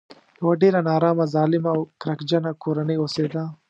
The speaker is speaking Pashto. یوه ډېره نارامه ظالمه او کرکجنه کورنۍ اوسېده.